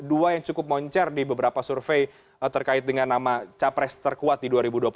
dua yang cukup moncer di beberapa survei terkait dengan nama capres terkuat di dua ribu dua puluh empat